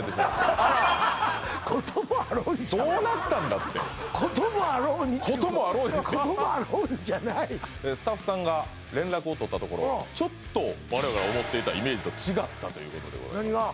あらこともあろうにちゃうわどうなったんだってこともあろうにじゃないこともあろうにですってスタッフさんが連絡をとったところちょっと我々が思ってたイメージと違ったということでございます